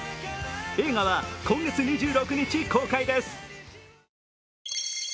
映画は今月２６日公開です。